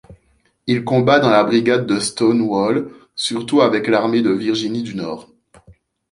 Il combat dans la brigade de Stonewall, surtout avec l'armée de Virginie du Nord.